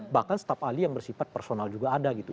bahkan staf ahli yang bersifat personal juga ada gitu